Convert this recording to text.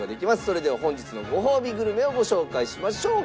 それでは本日のごほうびグルメをご紹介しましょう。